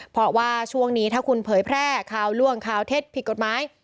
เพราะว่าช่วงนี้ถ้าคุณเผยแพร่ข่าวล่วงข่าวเท็จผิดกฎหมาย